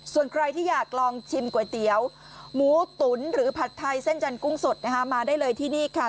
ส่วนใครที่อยากลองชิมก๋วยเตี๋ยวหมูตุ๋นหรือผัดไทยเส้นจันทร์กุ้งสดนะคะมาได้เลยที่นี่ค่ะ